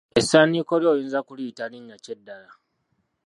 Essaaniiko lyo oyinza kuliyita linnya ki eddala?